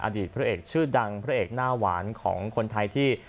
อดีตพระเอกชื่อดังพระเอกหน้าหวานของคนไทยที่